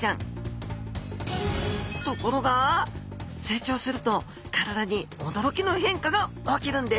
ところが成長すると体におどろきの変化が起きるんです。